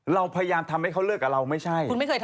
เราพยายามทำให้เขาเลิกกับเราไม่ใช่